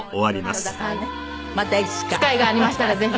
機会がありましたらぜひ。